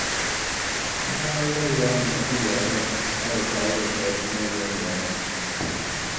N daa yɛliya ni n ku lɔrigi alikauli shɛli n ni lɔn ya maa.